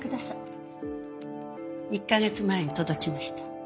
１カ月前に届きました。